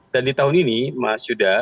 dan di tahun ini mas yuda